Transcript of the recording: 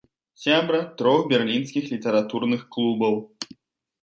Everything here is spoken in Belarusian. Сябра трох берлінскіх літаратурных клубаў.